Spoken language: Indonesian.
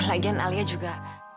lagian alia juga